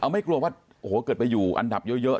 ไม่กลัวว่าโอ้โหเกิดไปอยู่อันดับเยอะ